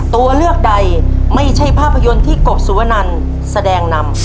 ตัวเลือกใดไม่ใช่ภาพยนตร์ที่กบสุวนันแสดงนำ